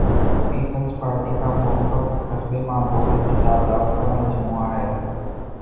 Peoples Party کا موقف حسب معمول تضادات کا مجموعہ ہے۔